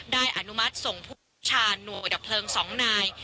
อนุมัติส่งผู้ชาญหน่วยดับเพลิง๒นาย